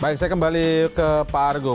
baik saya kembali ke pak argo